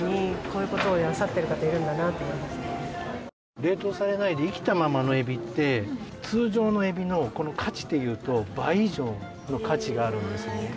冷凍されないで生きたままのエビって通常のエビの価値でいうと倍以上の価値があるんですよね。